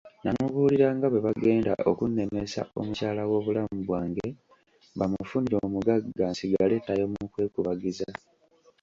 Namubuulira nga bwe bagenda okunnemesa omukyala w'obulamu bwange bamufunire omugagga nsigale ttayo mu kwekubagiza.